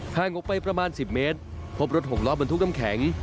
ห่างออกไปประมาณ๑๐เมตรพบรถหกล้อบรรทุกน้ำแข็ง